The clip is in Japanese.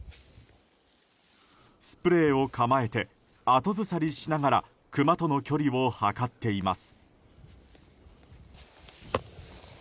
スプレーを構えて後ずさりしながらクマとの距離を測っています。